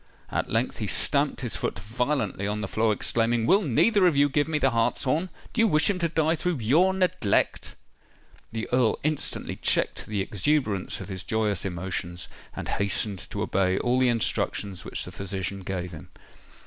At length he stamped his foot violently on the floor, exclaiming, "Will neither of you give me the hartshorn? Do you wish him to die through your neglect?" The Earl instantly checked the exuberance of his joyous emotions, and hastened to obey all the instructions which the physician gave him.